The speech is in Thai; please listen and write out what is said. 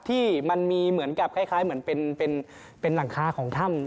ที่มันมีเหมือนกับคล้ายเหมือนเป็นหลังคาของถ้ำ